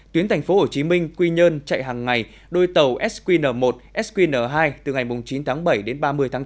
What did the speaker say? tuyến tp hcm quy nhơn chạy hàng ngày đôi tàu sqn một sqn hai từ ngày chín bảy đến ba mươi tám